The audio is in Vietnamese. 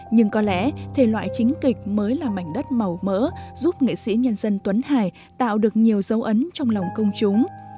nhưng có lẽ thể loại chính kịch mới là mảnh đất màu mỡ giúp nghệ sĩ nhân dân tuấn hải tạo được nhiều dấu ấn trong lòng công chúng